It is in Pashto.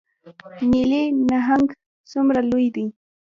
نیلي نهنګ څومره لوی دی؟